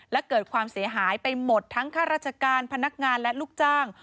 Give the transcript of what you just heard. และเกิดความเสียหายไปหมดทั้งข้าราชการพนักงานและลูกจ้าง